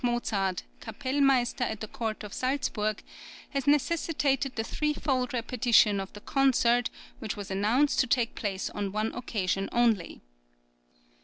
Mozart, Kapellmeister at the Court of Salzburg, has necessitated the threefold repetition of the concert which was announced to take place on one occasion only.